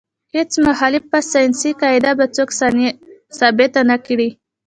هیڅ مخالفه ساینسي قاعده به څوک ثابته نه کړي.